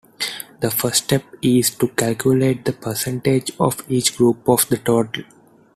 The first step is to calculate the percentage of each group of the total.